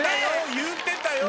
言うてたな。